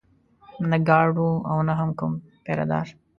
نه ګارډ و او نه هم کوم پيره دار.